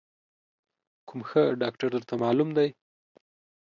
کوم ښه ډاکتر درته معلوم دی؟